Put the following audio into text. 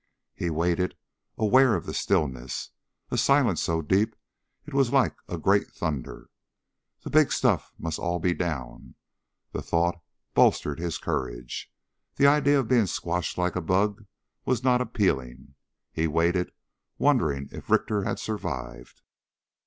He waited, aware of the stillness, a silence so deep it was like a great thunder. The big stuff must all be down. The thought bolstered his courage. The idea of being squashed like a bug was not appealing. He waited, wondering if Richter had survived.